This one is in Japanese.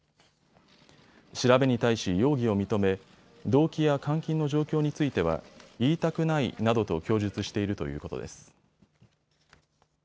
調べに対し容疑を認め動機や監禁の状況については言いたくないなどと供述しているということです。